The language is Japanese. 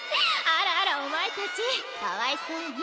あらあらお前たちかわいそうに。